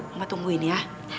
mama tungguin ya